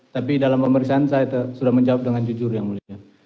tapi dalam pemeriksaan saya sudah menjawab dengan jujur yang mulia